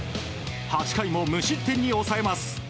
８回も無失点に抑えます。